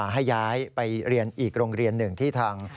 ให้ย้ายไปเรียนอีกโรงเรียนหนึ่งที่ทาง